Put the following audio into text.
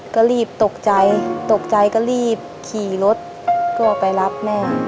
ก็รีบตกใจตกใจก็รีบขี่รถก็ไปรับแม่